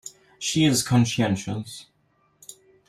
She is conscientious.